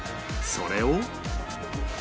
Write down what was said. それを？